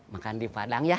makan di padang yah